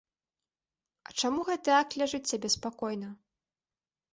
А чаму гэты акт ляжыць сабе спакойна?